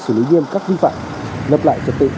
xử lý nghiêm các vi phạm lập lại trật tự